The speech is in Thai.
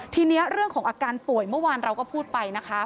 ทีนี้เรื่องของอาการป่วยเมื่อวานเราก็พูดไปนะคะ